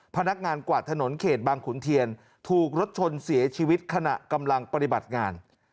พนักงานกวาดถนนเขตบางขุนเทียนถูกรถชนเสียชีวิตขณะกำลังปฏิบัติงาน